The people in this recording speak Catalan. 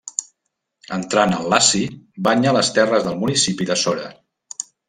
Entrant al Laci banya les terres del municipi de Sora.